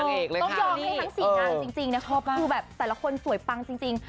ต้องยอมให้ทั้ง๔นางจริงนะชอบคือแบบแต่ละคนสวยปังจริง